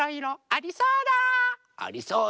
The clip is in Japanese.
ありそうだ。